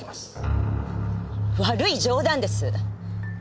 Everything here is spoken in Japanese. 悪い冗談です！